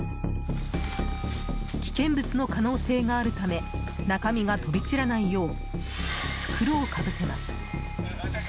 危険物の可能性があるため中身が飛び散らないよう袋をかぶせます。